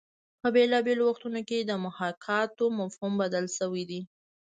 په بېلابېلو وختونو کې د محاکات مفهوم بدل شوی دی